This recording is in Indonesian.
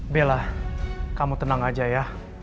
bela kamu tenang aja ya